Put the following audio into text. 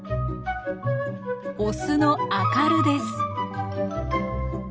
オスの「アカル」です。